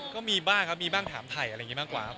ก็มีบ้างอ่ะครับมีบ้างถามไถ่บ้างกว่า